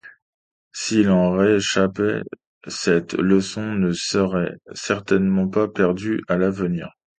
S’il en réchappait, cette leçon ne serait certainement pas perdue à l’avenir.